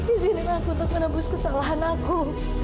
izinkan aku untuk menembus kesalahan aku